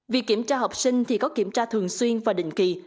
việc kiểm tra học sinh thì có kiểm tra thường xuyên và định kỳ